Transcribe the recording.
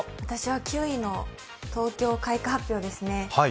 私は９位の東京・開花発表ですね。